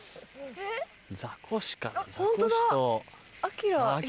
ザコシかな？